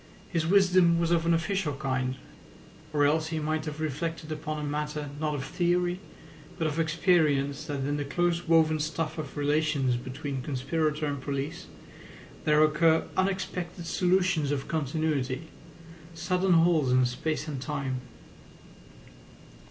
His wisdom was of an official kind, or else he might have reflected upon a matter not of theory but of experience that in the close woven stuff of relations between conspirator and police there occur unexpected solutions of continuity, sudden holes in space and time.